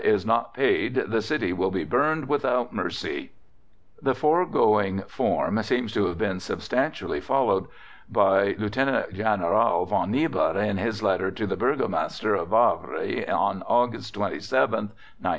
is not paid the city will be burned without mercy_." The foregoing form seems to have been substantially followed by Lieutenant General von Niebur in his letter to the Burgomaster of Wavre on August 27th, 1914.